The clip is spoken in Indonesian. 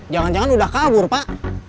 jangan jangan udah kabur pak